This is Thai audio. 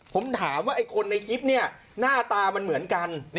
ผมถามว่าไอ้คนในคลิปหน้าตามันเหมือนกัน